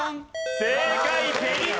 正解！